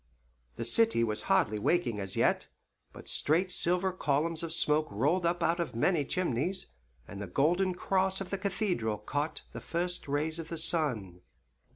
The city was hardly waking as yet, but straight silver columns of smoke rolled up out of many chimneys, and the golden cross on the cathedral caught the first rays of the sun.